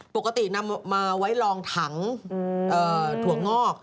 ปกตินำมาไว้ลองถังถั่วงอก